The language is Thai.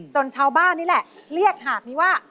ชาวบ้านนี่แหละเรียกหาดนี้ว่า